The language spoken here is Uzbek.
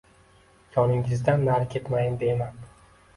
Yoningizdan nari ketmayin deyman.